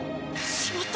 しまった！